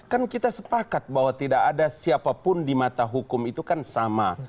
kan kita sepakat bahwa tidak ada siapapun di mata hukum itu kan sama